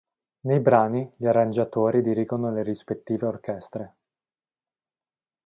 Nei brani gli arrangiatori dirigono le rispettive orchestre.